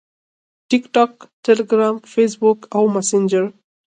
- Facebook، Telegram، TikTok او Messenger